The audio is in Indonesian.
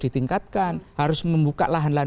ditingkatkan harus membuka lahan lahan